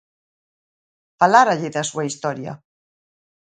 Faláralle da súa historia.